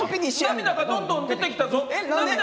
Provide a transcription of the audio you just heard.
涙がどんどん出てきたぞ。